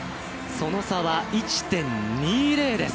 その差は１．２０です。